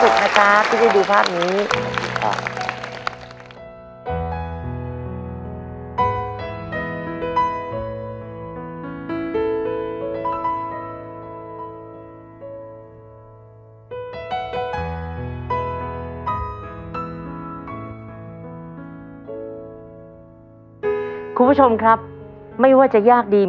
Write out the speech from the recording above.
ที่จะขอดูแลลูกให้ดีที่สุดเหมือนอย่างแม่แขกและพ่อเบิร์ต